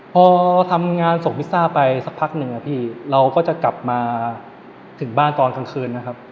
พอทำงานส่งพิซซ่าไปสักพักหนึ่งอะพี่เราก็จะกลับมาถึงบ้านตอนกลางคืนนะครับ